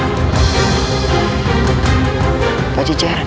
tunggu sebentar pak jajaran